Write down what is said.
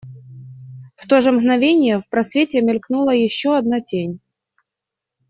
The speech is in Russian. В то же мгновение в просвете мелькнула еще одна тень.